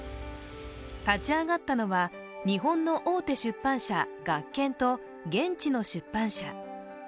立ち上がったはの、日本の大手出版社・学研と現地の出版社。